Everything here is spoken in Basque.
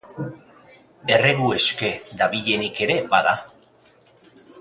Erregu eske dabilenik ere bada.